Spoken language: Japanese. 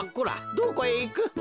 どこへいく？